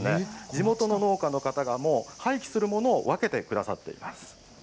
地元の農家の方が、もう廃棄するものを分けてくださっています。